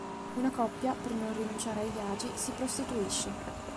Una coppia, per non rinunciare agli agi, si prostituisce.